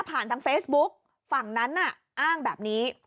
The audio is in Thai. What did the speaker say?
ทางเฟซบุ๊กฝั่งนั้นน่ะอ้างแบบนี้